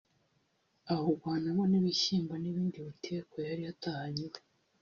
awugwanamo n’ibishyimbo n’ibindi bitekwa yari atahanye iwe